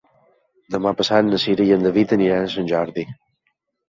Demà passat na Cira i en David aniran a Sant Jordi.